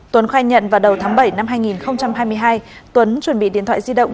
tuấn khai nhận vào đầu tháng bảy năm hai nghìn hai mươi hai tuấn chuẩn bị điện thoại di động